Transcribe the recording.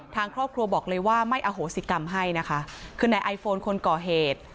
ทางครอบครัวบอกเลยว่าไม่อโหสิกรรมให้นะคะคือนายไอโฟนคนก่อเหตุ